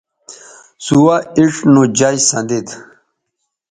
سوہ اِڇھ نو جج سندید